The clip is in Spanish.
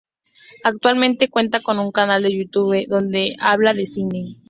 Actualmente cuenta con un canal de Youtube donde habla de cine.